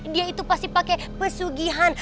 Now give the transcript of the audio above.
dia itu pasti pakai pesugihan